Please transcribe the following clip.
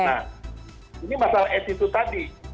nah ini masalah attitude tadi